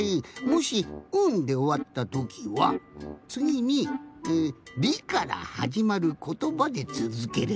もし「ん」でおわったときはつぎに「り」からはじまることばでつづければいいんじゃない？